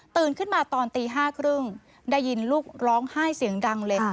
ขึ้นมาตอนตี๕๓๐ได้ยินลูกร้องไห้เสียงดังเลย